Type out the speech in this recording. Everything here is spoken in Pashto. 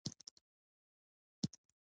انجماد نقطه هغه درجه ده چې مایع په جامد بدلوي.